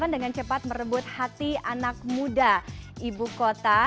dengan cepat merebut hati anak muda ibu kota